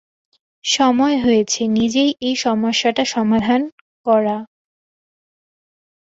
সময় হয়েছে নিজেই এই সমস্যাটা সমাধান করা।